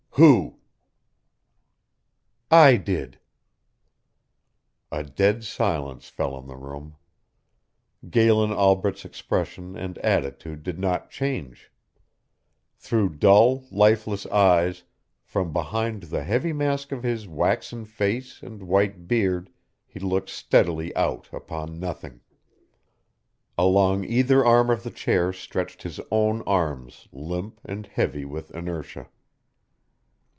"Who?" "I did." A dead silence fell on the room. Galen Albret's expression and attitude did not change. Through dull, lifeless eyes, from behind the heavy mask of his waxen face and white beard, he looked steadily out upon nothing. Along either arm of the chair stretched his own arms limp and heavy with inertia.